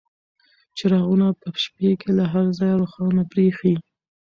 چراغونه په شپې کې له هر ځایه روښانه بریښي.